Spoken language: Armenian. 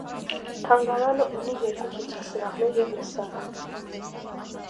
Թանգարանը ունի երկու ցուցասրահներ և լսարան։